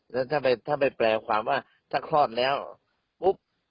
แล้วถ้าไปแปลความว่าถ้าคลอดแล้วปุ๊บ